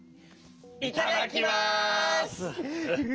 いただきます！